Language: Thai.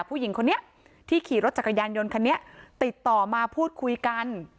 ผู้หญิงคนนี้ที่ขี่รถจักรยานยนต์คันนี้ติดต่อมาพูดคุยกัน